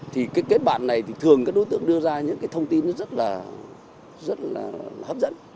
thì kết bạn này thì thường các đối tượng đưa ra những thông tin rất là hấp dẫn